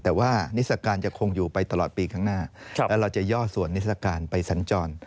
แต่ว่านิสการจะคงอยู่ไปตลอดปีข้างหน้าและเราจะย่อส่วนนิทรศการไปสัญจร